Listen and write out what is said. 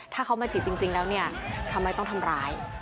ถ้าเขามาจีบจริงแล้วเนี่ยทำไมต้องทำร้าย